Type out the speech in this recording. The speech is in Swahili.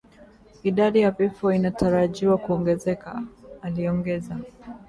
Idadi ya vifo inatarajiwa kuongezeka, aliongeza